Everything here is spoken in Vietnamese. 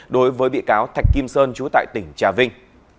đối với bị cáo thạch kim sơn trú tại tỉnh trà vinh